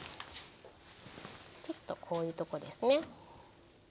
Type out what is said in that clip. ちょっとこういうとこですね。